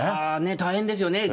大変ですよね。